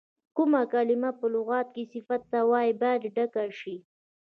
کومه کلمه په لغت کې صفت ته وایي باید ډکه شي.